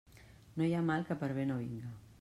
No hi ha mal que per bé no vinga.